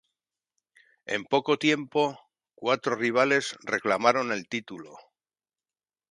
En poco tiempo, cuatro rivales reclamaron el título.